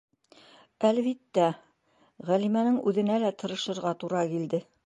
Әлбиттә, Ғәлимәнең үҙенә лә тырышырға тура килде.